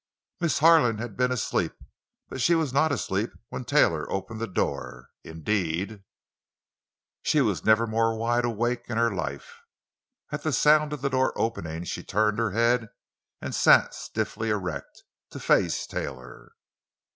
Miss Harlan had been asleep, but she was not asleep when Taylor opened the door. Indeed, she was never more wide awake in her life. At the sound of the door opening she turned her head and sat stiffly erect, to face Taylor.